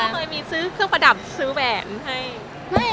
พี่โน้ทเคยมีซื้อเครื่องประดับซื้อแบบให้